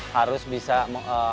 harus bisa memimpin asia lah